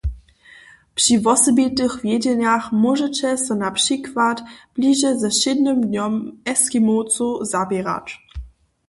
Při wosebitych wjedźenjach móžeće so na přikład bliže ze wšědnym dnjom Eskimowcow zaběrać.